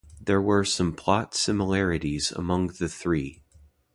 There were some plot similarities among the three.